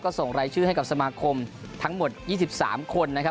ส่งรายชื่อให้กับสมาคมทั้งหมด๒๓คนนะครับ